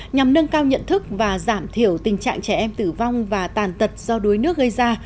nhằm nâng cao nhận thức và giảm thiểu tình trạng trẻ em tử vong và tàn tật do đuối nước gây ra